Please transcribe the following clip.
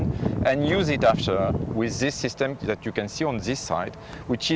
dan menggunakannya dengan sistem ini yang bisa anda lihat di sebelah ini